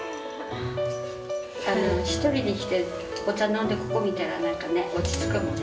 １人で来てお茶飲んでここ見たら何かね落ち着くもんね。